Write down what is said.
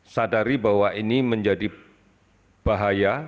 sadari bahwa ini menjadi bahaya